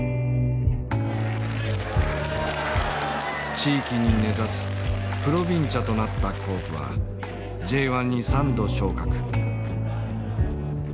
地域に根ざすプロヴィンチャとなった甲府はＪ１に３度昇格。